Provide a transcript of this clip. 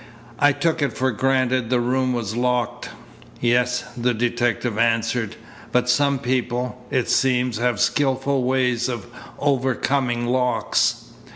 "I took it for granted the room was locked." "Yes," the detective answered, "but some people, it seems, have skilful ways of overcoming locks."